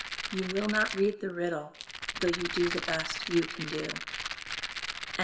You will not read the riddle, though you do the best you can do. 1846.